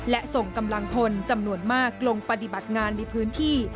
และส่งกำลังพลจำนวนมากลงปฏิบัติงานในพื้นที่